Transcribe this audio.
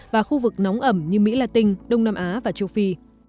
và khu vực nóng ẩm như mỹ latin đông nam á và châu phi